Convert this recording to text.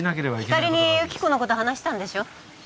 ひかりに由紀子のこと話したんでしょ。